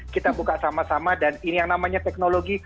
kita buka sama sama dan ini yang namanya teknologi